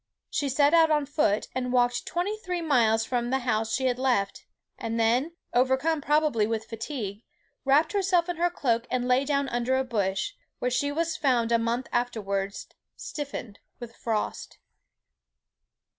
She set out on foot, and walked twenty three miles from the house she had left, and then, overcome probably with fatigue, wrapped herself in her cloak, and lay down under a bush, where she was found a month afterwards, stiffened with frost."